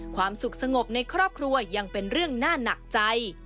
ความสุขสงบในครอบครัวยังเป็นเรื่องน่าหนักใจ